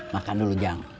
makan dulu jang